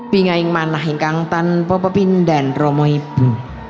bingain manah ingkang tanpa pepindan romo ibu